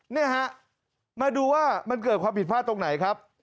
เนี่ยฮะมาดูว่ามันเกิดความผิดพลาดตรงไหนครับ